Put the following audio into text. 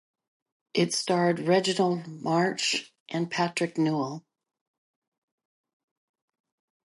It starred Reginald Marsh and Patrick Newell.